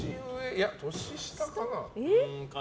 いや、年下かな。